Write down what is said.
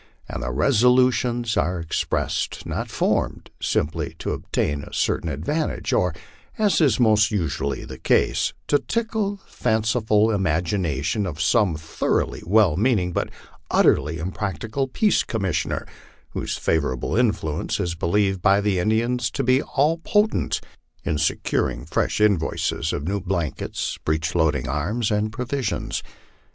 and the resolutions are expressed not formed simply to ob tain a certain advantage, or, as is most usually the case, to tickle the fanciful imagination of some thoroughly well meaning but utterly impractical peace commissioner, whose favorable influence is believed by the Indian to be all potent in securing fresh invoices of new blankets, breech loading arms, and provisions.